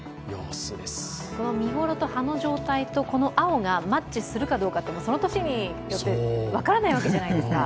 見ごろと葉の状態とこの青がマッチするかっていうのはその年によって分からないわけじゃないですか。